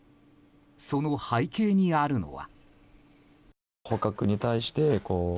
その背景にあるのは。